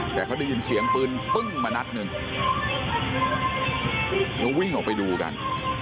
แต่เขาได้ยินเสียงปืนปึ้งมานัดหนึ่งแล้ววิ่งออกไปดูกัน